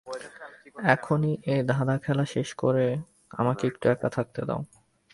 এখন এই ধাঁধা খেলা শেষ করে আমাকে একটু একা থাকতে দাও।